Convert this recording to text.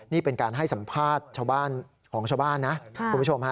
นี่เป็นการให้สัมภาษณ์ชาวบ้านของชาวบ้านนะคุณผู้ชมฮะ